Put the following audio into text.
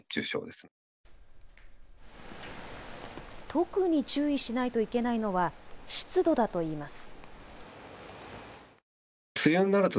特に注意しないといけないのは湿度だといいます。